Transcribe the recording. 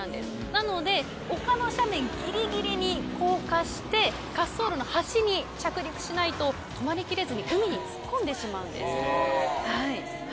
なので丘の斜面ギリギリに降下して滑走路の端に着陸しないと止まり切れずに海に突っ込んでしまうんです。